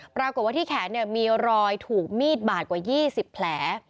ปรากฏว่าที่แขนเนี่ยมีลอยถูกมีดบาทกว่ายี่สิบแผล